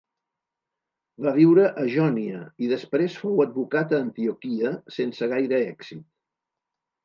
Va viure a Jònia i després fou advocat a Antioquia, sense gaire èxit.